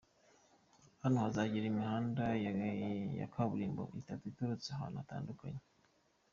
Hano hazagera imihanda ya kaburimbo itatu iturutse ahantu hatandukanye.